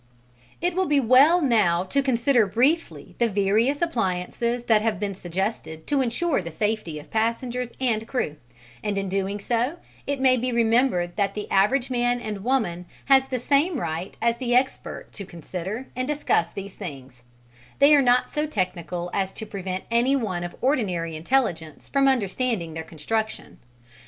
It will be well now to consider briefly the various appliances that have been suggested to ensure the safety of passengers and crew, and in doing so it may be remembered that the average man and woman has the same right as the expert to consider and discuss these things: they are not so technical as to prevent anyone of ordinary intelligence from understanding their construction.